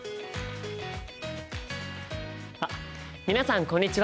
あっ皆さんこんにちは！